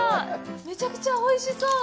むちゃくちゃおいしそう！